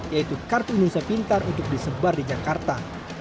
yaitu kartu indonesia pintar untuk disebar di jakarta